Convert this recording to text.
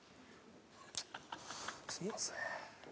すみません。